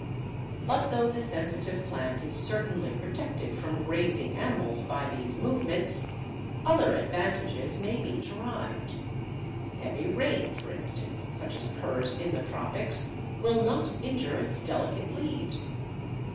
But though the Sensitive Plant is certainly protected from grazing animals by these movements, other advantages may be derived. Heavy rain, for instance, such as occurs in the tropics, will not injure its delicate leaves.